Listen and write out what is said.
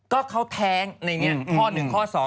ก็เขาแท้งในเนี่ยข้อหนึ่งข้อสอง